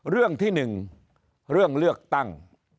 เรื่องที่๑เรื่องเลือกตั้ง